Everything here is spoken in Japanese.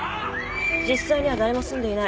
実際には誰も住んでいない。